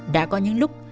đã có những lúc